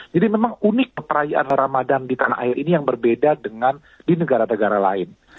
jadi memang unik perayaan ramadan di tanah air ini yang berbeda dengan di negara negara lain